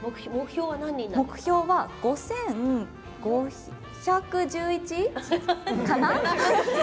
目標は５５１１？かな？